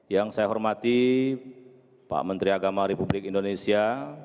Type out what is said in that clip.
yang saya hormati pak menteri agama republik indonesia